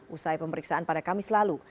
usai pemeriksaan pada kamis lalu